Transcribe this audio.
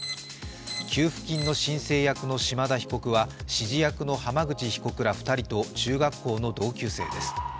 給付金の申請役の島田被告は指示役の浜口被告ら２人と中学校の同級生です。